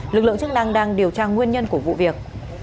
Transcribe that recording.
lực lượng chức năng đang điều tra nguyên nhân của vụ việc